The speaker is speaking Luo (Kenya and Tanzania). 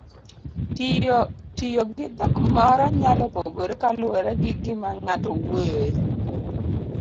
Tiyogi dhok moro nyalo pogore kaluwore gi gima ng'ato wuoyoe.